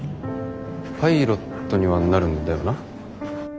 パイロットにはなるんだよな？